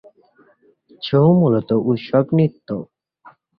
ছৌ মূলত উৎসব নৃত্য।